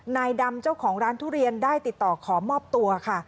นายดำเจ้าของร้านทุเรียนได้ติดต่อขอมอบตัวค่ะ